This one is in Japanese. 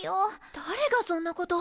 誰がそんなこと。